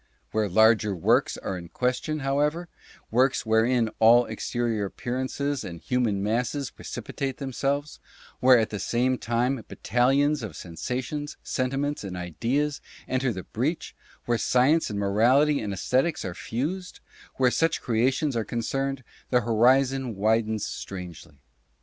Where larger works are in ques tion, however — works wherein all exterior appearances and human masses precipitate themselves — where at the same time battalions of sensations, sentiments and ideas enter the breach — where science and morality and esthetics are fused — where such creations are concerned, the horizon widens strangely.